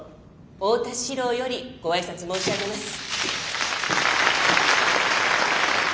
太田司郎よりご挨拶申し上げます。